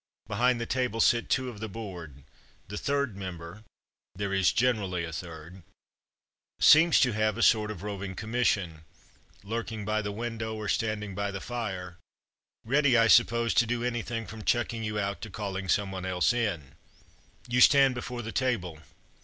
Behind the table sit two of the Board. The third member (there is generally a third) seems to have a sort of roving commission — lurking by the window, or standing by the fire, ready, I suppose, to do anything from chucking you out to call ing someone else in. You stand before the table.